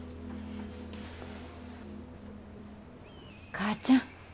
母ちゃん。